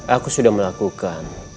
aku sudah melakukan